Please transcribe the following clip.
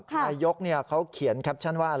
นายกเนี่ยเขาเขียนแคปชั่นว่าอะไร